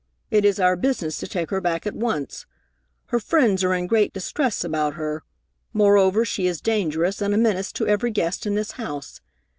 It is our business to take her back at once. Her friends are in great distress about her. Moreover, she is dangerous and a menace to every guest in this house.